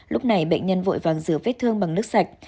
lúc này bệnh nhân vội vàng rửa vết thương bằng nước sạch